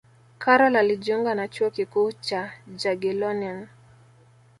karol alijiunga na chuo kikuu cha jagiellonian